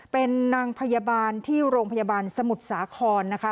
เป็นนางพยาบาลที่โรงพยาบาลสมุทรสาครนะคะ